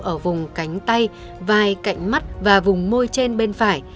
ở vùng cánh tay vai cạnh mắt và vùng môi trên bên phải